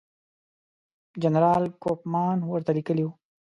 جنرال کوفمان ورته لیکلي وو.